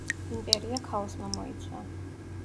იმპერია ქაოსმა მოიცვა.